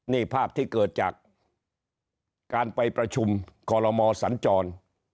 นี่ภาพที่เกิดจากการไปประชุมคอลโลมอสัญจร